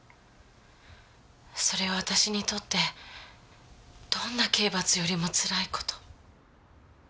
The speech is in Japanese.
それは私にとってどんな刑罰よりもつらい事。